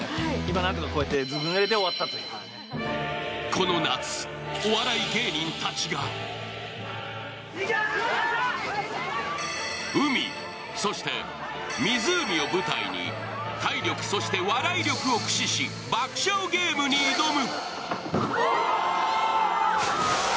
この夏、お笑い芸人たちが海、そして湖を舞台に体力、そして笑い力を駆使し爆笑ゲームに挑む。